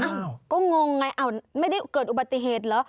ก็งงไงอ้าวไม่ได้เกิดอุบัติเหตุเหรอ